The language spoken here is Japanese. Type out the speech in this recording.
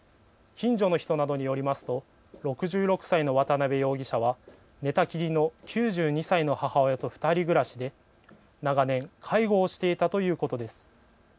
近所の人などによりますと、６６歳の渡邊容疑者は寝たきりの９２歳の母親と２人暮らしで長年、介護をしていたということです。